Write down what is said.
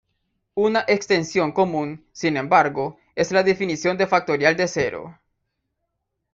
Una extensión común, sin embargo, es la definición de factorial de cero.